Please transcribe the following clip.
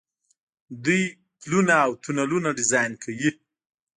دوی پلونه او تونلونه ډیزاین کوي.